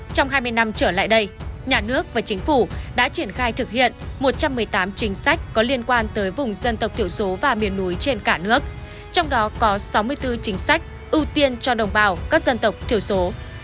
trong hai mươi năm trở lại đây nhà nước và chính phủ đã triển khai thực hiện một trăm một mươi tám chính sách có liên quan tới vùng dân tộc thiểu số và miền núi trên cả nước trong đó có sáu mươi bốn chính sách ưu tiên cho đồng bào các dân tộc thiểu số